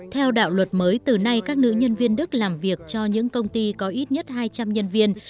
theo đạo luật mới từ nay các nữ nhân viên đức làm việc cho những công ty có ít nhất hai trăm linh nhân viên